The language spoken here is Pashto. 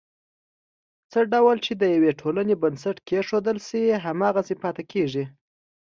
څه ډول چې د یوې ټولنې بنسټ کېښودل شي، هماغسې پاتې کېږي.